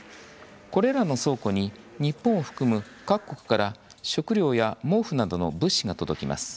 これらの倉庫に、日本を含む各国から食料や毛布などの物資が届きます。